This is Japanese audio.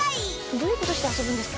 どういう事して遊ぶんですか？